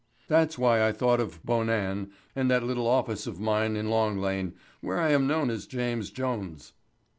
That's why I thought of 'Bonan' and that little office of mine in Long Lane, where I am known as James Jones.